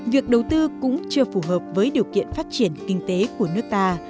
việc đầu tư cũng chưa phù hợp với điều kiện phát triển kinh tế của nước ta